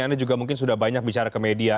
anda juga mungkin sudah banyak bicara ke media